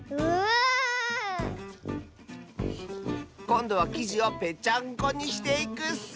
こんどはきじをぺちゃんこにしていくッス！